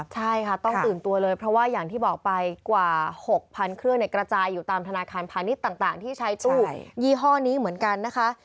ใช่ค่ะต้องตื่นตัวเลยเพราะว่าอย่างที่บอกไปกว่า๖๐๐๐เครื่องกระจายอยู่ตามธนาคารพาณิชย์ต่างที่ใช้ตู้ยี่ห้อนี้เหมือนกันนะคะ